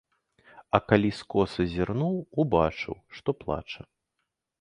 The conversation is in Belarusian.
А калі скоса зірнуў, убачыў, што плача.